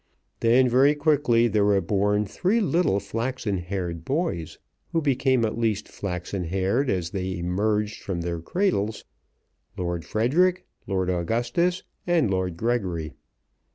Then very quickly there were born three little flaxen haired boys, who became at least flaxen haired as they emerged from their cradles, Lord Frederic, Lord Augustus, and Lord Gregory.